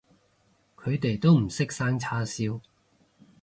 佢哋都唔識生叉燒